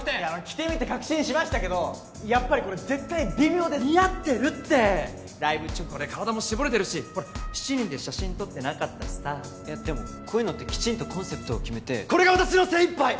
着てみて確信しましたけどやっぱりこれ絶対微妙ですって似合ってるってライブ直後で体も絞れてるし７人で写真撮ってなかったしさでもこういうのってきちんとコンセプトを決めてこれが私の精いっぱい